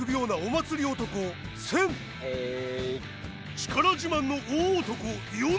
力自慢の大男ヨネ。